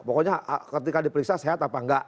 pokoknya ketika diperiksa sehat apa enggak